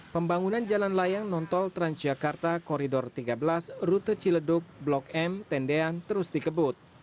pembangunan jalan layang nontol transjakarta koridor tiga belas rute ciledug blok m tendean terus dikebut